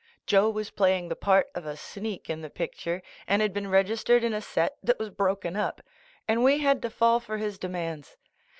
Joe was playing the part of a sneak in the picture, and had been registered in a set that was broken up, and we had to fall for his demands.